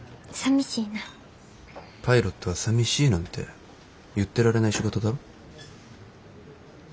パイロットはさみしいなんて言ってられない仕事だろ。